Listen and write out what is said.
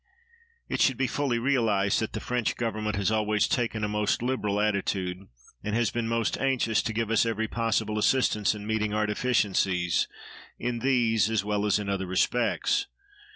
It should be fully realized that the French Government has always taken a most liberal attitude, and has been most anxious to give us every possible assistance in meeting our deficiencies in these as well as in other respects.